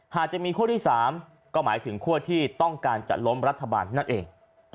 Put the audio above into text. หากจะมีขั้วที่๓ก็หมายถึงขั้วที่ต้องการจะล้มรัฐบาลนั่นเอง